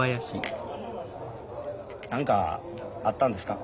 何かあったんですか？